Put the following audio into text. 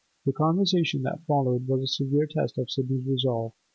The conversation that followed was a severe test of Sidney's resolve.